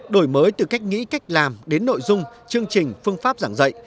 đổi mới từ cách nghĩ cách làm đến nội dung chương trình phương pháp giảng dạy